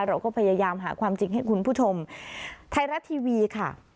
เราก็พยายามหาความจริงให้คุณผู้ชมไทยรัฐทีวีค่ะ